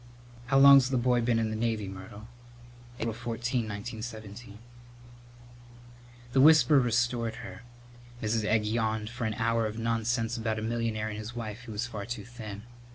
"How long's the boy been in the Navy, Myrtle?" "April 14, 1917." The whisper restored her. Mrs. Egg yawned for an hour of nonsense about a millionaire and his wife who was far too thin.